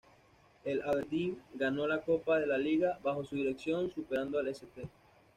El Aberdeen ganó la Copa de la Liga, bajo su dirección, superando al St.